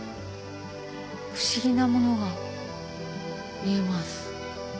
不思議なものが見えます。